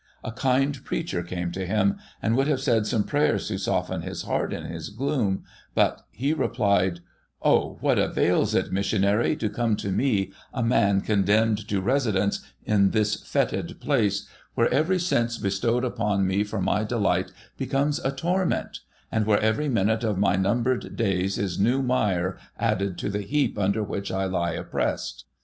A kind preacher came to him, and would have said some prayers to soften his heart in his gloom, but he replied : 58 NOBODY'S STORY ' O what avails it, missionary, to come to me, a man condemned to residence in this fojtid place, where every sense bestowed upon me for my delight becomes a torment, and where every minute of my numbered days is new mire added to the heap under which I lie oppressed